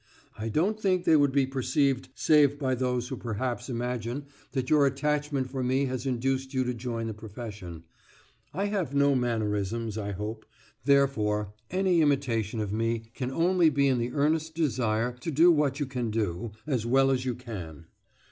I don't think they would be perceived save by those who perhaps imagine that your attachment for me has induced you to join the profession. I have no mannerisms, I hope; therefore any imitation of me can only be in the earnest desire to do what you can do, as well as you can.